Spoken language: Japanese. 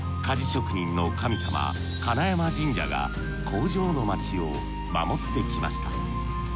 鍛冶職人の神様金山神社が工場の街を守ってきました。